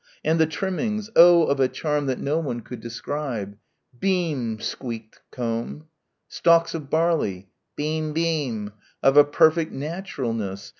"And the trimming oh, of a charm that no one could describe." ... "Beem!" squeaked the comb ... "stalks of barley" ... "beem beem" ... "of a perfect naturalness"